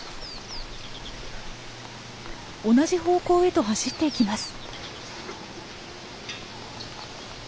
同じ方向へと走っていきます。